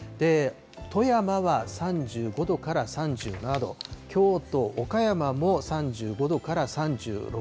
富山は３５度から３７度、京都、岡山も３５度から３６度。